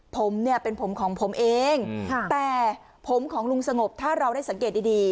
ผมเนี่ยเป็นผมของผมเองแต่ผมของลุงสงบถ้าเราได้สังเกตดีดี